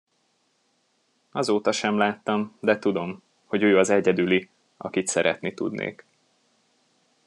Azóta sem láttam, de tudom, hogy ő az egyedüli, akit szeretni tudnék.